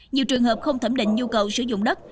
nhiều trường hợp không thẩm định nhu cầu sử dụng đất